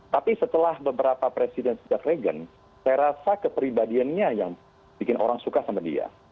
tapi setelah beberapa presiden sejak regen saya rasa kepribadiannya yang bikin orang suka sama dia